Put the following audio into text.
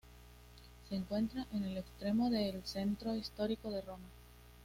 Se encuentra en el extremo este del centro histórico de Roma.